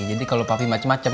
jadi kalau papi macem macem